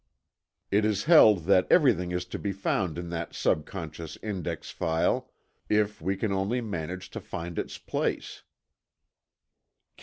It is held that everything is to be found in that subconscious index file, if we can only manage to find its place.